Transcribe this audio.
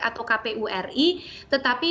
atau kpu ri tetapi